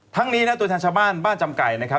นี้นะตัวแทนชาวบ้านบ้านจำไก่นะครับ